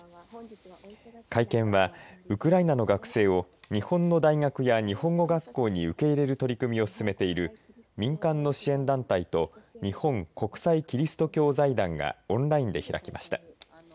会見はウクライナの学生を日本の大学や日本語学校に受け入れる取り組みをすすめている民間の支援団体と日本国際基督教財団がオンラインで開きました。